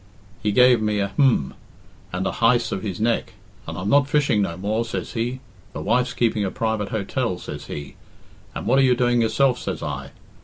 He gave me a Hm! and a heise of his neck, and 'I'm not fishing no more,' says he. 'The wife's keeping a private hotel,' says he. 'And what are you doing yourself,' says I.